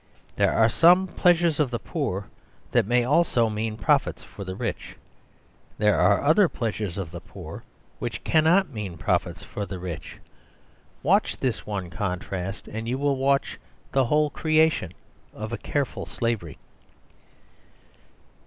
There are some pleasures of the poor that may also mean profits for the rich: there are other pleasures of the poor which cannot mean profits for the rich? Watch this one contrast, and you will watch the whole creation of a careful slavery.